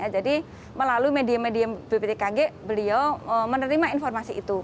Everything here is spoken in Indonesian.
jadi melalui media media bpptkg beliau menerima informasi itu